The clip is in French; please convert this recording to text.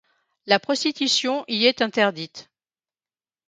La prostitution y est interdite.